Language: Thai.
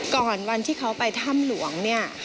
ก่อนวันที่เขาไปถ้ำหลวงเนี่ย